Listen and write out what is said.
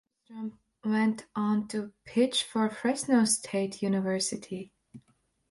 Soderstrom went on to pitch for Fresno State University.